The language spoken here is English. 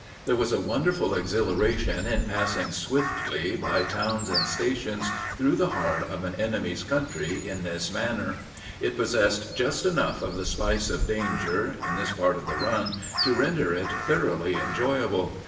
There was a wonderful exhilaration in passing swiftly by towns and stations through the heart of an enemy's country in this manner. It possessed just enough of the spice of danger, in this part of the run, to render it thoroughly enjoyable.